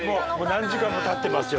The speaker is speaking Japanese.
もう何時間もたってますよ。